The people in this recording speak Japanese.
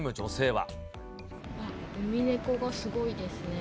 ウミネコがすごいですね。